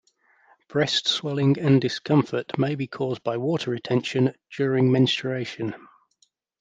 Breast swelling and discomfort may be caused by water retention during menstruation.